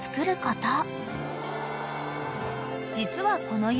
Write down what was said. ［実はこの夢］